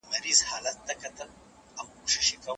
د قدرت الله حداد فرهاد له خوا لیکل سوې